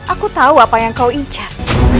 aku tahu apa yang kau incar